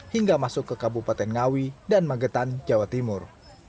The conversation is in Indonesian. hingga masuk ke kabupaten ngawi dan magetan jawa timur